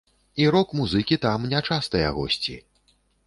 І рок-музыкі там не частыя госці.